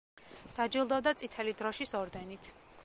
დაჯილდოვდა წითელი დროშის ორდენით.